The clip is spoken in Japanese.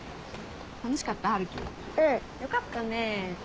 よかったね。